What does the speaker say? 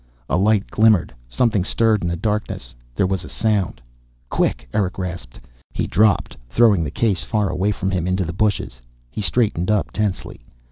A light glimmered. Something stirred in the darkness. There was a sound. "Quick!" Erick rasped. He dropped, throwing the case far away from him, into the bushes. He straightened up tensely.